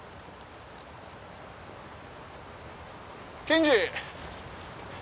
検事！